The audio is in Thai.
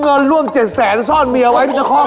เงินร่วม๗๐๐๐๐๐บาทซ่อนเมียไว้ที่กระคอมอ่ะ